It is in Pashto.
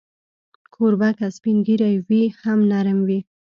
کوربه که سپین ږیری وي، هم نرم وي.